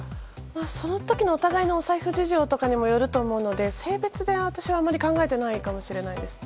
その時のお互いのお財布事情にもよると思うので性別で私はあまり考えてないかもしれないです。